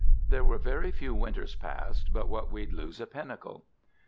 There was very few winters passed but what we'd lose a pinnicle."